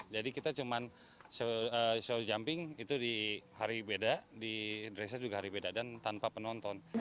jadi kita cuman show jumping itu di hari beda di dresser juga hari beda dan tanpa penonton